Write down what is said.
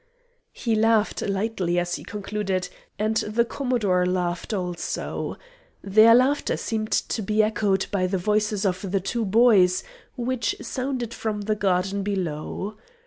He laughed lightly as he concluded, and the Commodore laughed also. Their laughter seemed to be echoed by the voices of the two boys which sounded from the garden below.